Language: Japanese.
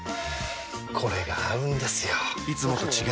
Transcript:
これが合うんですよ！